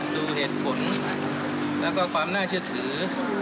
ดูเหตุผลแล้วก็ความน่าเชื่อถือ